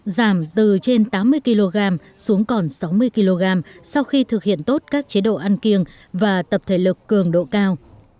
giảm từ trên tám mươi kg xuống còn sáu mươi kg sau khi thực hiện tốt các chế độ ăn kiêng và tập thể lực cường độ cao